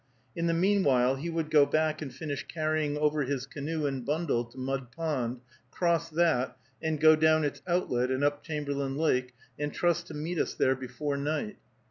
In the meanwhile he would go back and finish carrying over his canoe and bundle to Mud Pond, cross that, and go down its outlet and up Chamberlain Lake, and trust to meet us there before night.